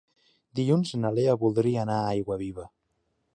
Dilluns na Lea voldria anar a Aiguaviva.